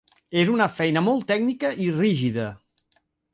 És una feina molt tècnica, i rígida.